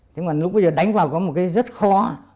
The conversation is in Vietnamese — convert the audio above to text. thế mà lúc bây giờ đánh vào có một cái rất khó